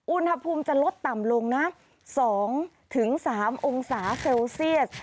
อุณหภูมิจะลดต่ำลงนะ๒๓องศาเซลเซียส